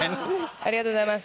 ありがとうございます。